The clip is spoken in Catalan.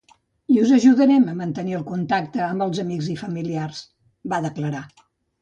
I us ajudarem a mantenir el contacte amb els amics i familiars, va declarar.